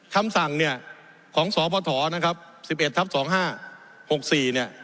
คำสั่งเนี่ยของสพนะครับ๑๑ทับ๒๕๖๔เนี่ย